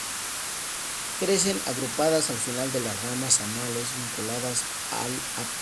Crecen agrupadas al final de las ramas anuales, vinculadas al ápice.